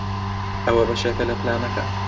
ئەوە بەشێکە لە پلانەکە.